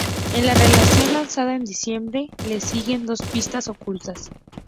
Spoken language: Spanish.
En la reedición lanzada en diciembre, le siguen dos pistas ocultas.